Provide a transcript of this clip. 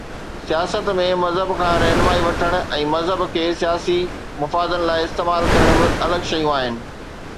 سياست ۾ مذهب کان رهنمائي وٺڻ ۽ مذهب کي سياسي مفادن لاءِ استعمال ڪرڻ ٻه الڳ شيون آهن.